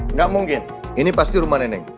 nggak mungkin ini pasti rumah nenek